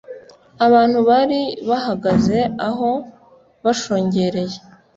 Abantu bari bahagaze aho bashungereye